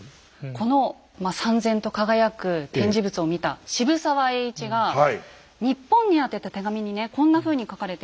このさん然と輝く展示物を見た渋沢栄一が日本に宛てた手紙にねこんなふうに書かれています。